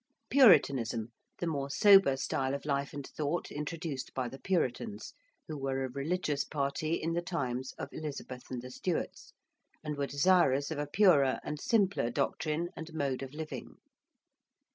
~Puritanism~: the more sober style of life and thought introduced by the Puritans, who were a religious party in the times of Elizabeth and the Stuarts, and were desirous of a purer and simpler doctrine and mode of living.